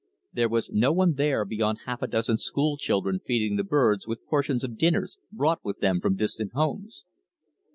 There was no one there beyond half a dozen school children feeding the birds with portions of dinners brought with them from distant homes.